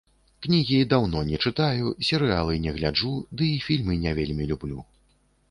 Кнігі даўно не чытаю, серыялы не гляджу, ды і фільмы не вельмі люблю.